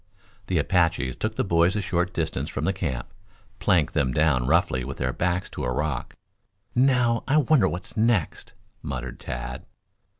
The Apaches took the boys a short distance from the camp, planked them down roughly with their backs to a rock. "Now, I wonder what next?" muttered Tad.